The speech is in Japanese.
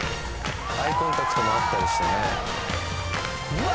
アイコンタクトもあったりしてね・うわ